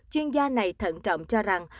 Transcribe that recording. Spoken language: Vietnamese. chuyên gia này thận trọng cho rằng